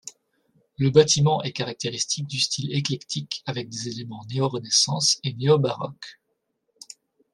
Le bâtiment est caractéristique du style éclectique avec des éléments néo-Renaissance et néo-baroques.